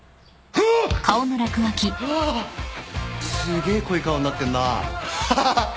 すげえ濃い顔になってんなハハハハッ。